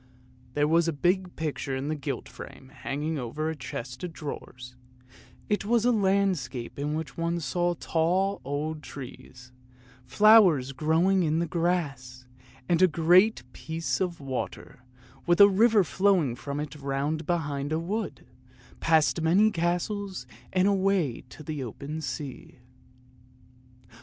There was a big picture in a gilt frame hanging over the chest of drawers; it was a landscape in which one saw tall, old trees, flowers growing in the grass, and a great piece of water, with a river flowing from it round behind a wood, past many castles and away to the open sea.